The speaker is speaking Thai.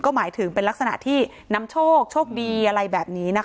หมายถึงเป็นลักษณะที่นำโชคโชคดีอะไรแบบนี้นะคะ